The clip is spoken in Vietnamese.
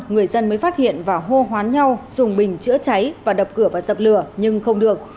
người dân mới phát hiện và hô hoán nhau dùng bình chữa cháy và đập cửa và dập lửa nhưng không được